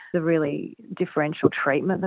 penyelidikan yang sangat berbeza